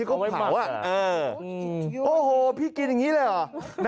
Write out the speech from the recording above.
โอ้โหพี่กินอย่างงี้เลยอ่ะ